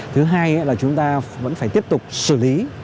thứ hai là chúng ta vẫn phải tiếp tục xử lý